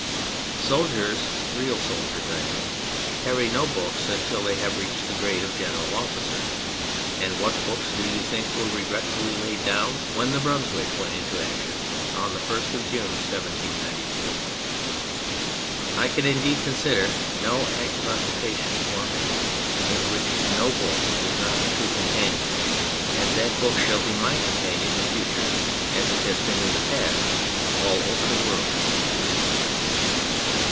Soldiers real soldiers I mean carry no books until they have reached the grade of general officer ; and what books do you think were regretfully laid down when the Brunswick went into action on the first of June, 1794? I can indeed consider no active occupation for a man in which No Book is not a true companion, and that book shall be my companion in future, as it has been in the past, all over the world.